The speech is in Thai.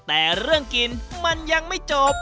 แต่เรื่องกินมันยังไม่จบ